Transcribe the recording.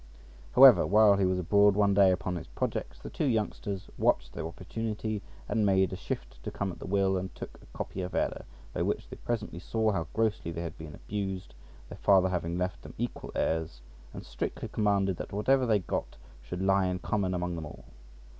However, while he was abroad one day upon his projects, the two youngsters watched their opportunity, made a shift to come at the will, and took a copia vera {99a}, by which they presently saw how grossly they had been abused, their father having left them equal heirs, and strictly commanded that whatever they got should lie in common among them all.